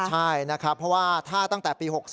ใช่นะครับเพราะว่าถ้าตั้งแต่ปี๖๓